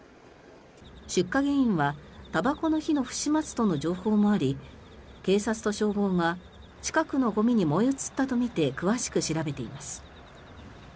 出火原因は、たばこの火の不始末との情報もあり警察と消防が近くのゴミに燃え移ったとみて詳しく調べています。